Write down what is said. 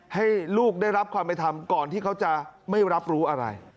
ให้ลูกได้รับความเป็นธรรมก่อนที่เขาจะไม่รับรู้อะไร